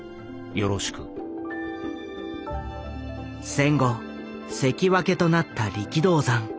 戦後関脇となった力道山。